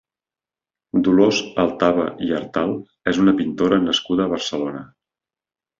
Dolors Altaba i Artal és una pintora nascuda a Barcelona.